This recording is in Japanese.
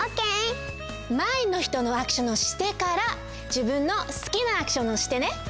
まえの人のアクションをしてからじぶんのすきなアクションをしてね。